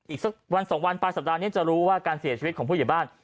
อีกสักวันสองวันปลายสัปดาห์นี้จะรู้ว่าการเสียชีวิตของผู้ใหญ่บ้าน